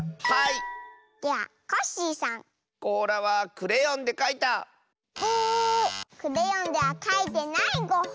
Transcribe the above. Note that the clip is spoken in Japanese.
クレヨンではかいてないゴッホ。